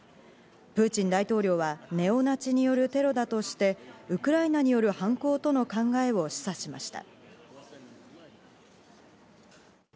プーチン大統領はネオナチによるテロだとしてウクライナによる犯行との考えを示唆しました。